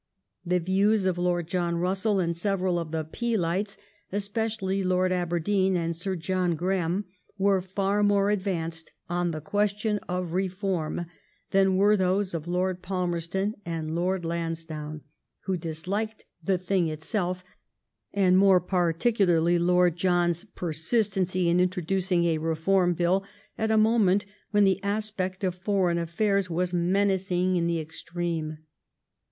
The views of Lord John Bussell and seyeral of the Peelites, especially Lord Aberdeen and Sir John Graham, were far more adyanced on the question of Beform than were those of Lord Palmerston and Lord Lansdowne, who disliked the thing itself, and more particularly Lord John's per imitenoy in introdoeing a Beform Bill at a moment when tiie aipect of foreign affairs was menacing in the ez » treme.